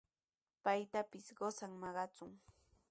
Paytapis qusan maqachun.